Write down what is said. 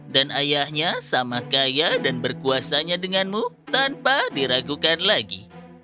dan ayahnya sama kaya dan berkuasanya denganmu tanpa diragukan lagi